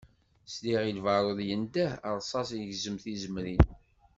Sliɣ i lbarud yendeh, rsas igezzem tizemrin.